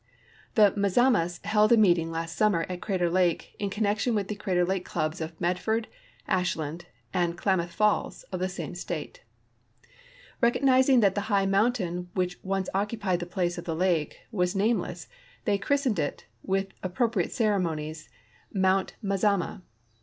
The Mazamas held a meeting last summer at Crater lake in connection with the Crater Lake clubs of Medford, Ashland, and Klamath Falls, of the same state. Recognizing that the high mountain which once occupied the place of the lake was name less, they christened it, with appropriate ceremonies. Mount Mazama.